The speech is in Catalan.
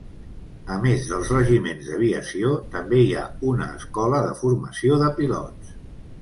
A més dels regiments d'aviació, també hi ha una Escola de Formació de Pilots.